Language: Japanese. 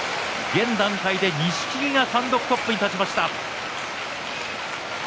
現段階で錦木が単独トップに立ちました。